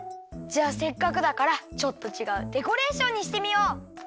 じゃあせっかくだからちょっとちがうデコレーションにしてみよう！